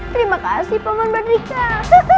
terima kasih paman badrika